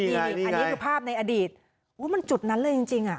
นี่ไงนี่ไงอันนี้คือภาพในอดีตว่ามันจุดนั้นเลยจริงจริงอ่ะ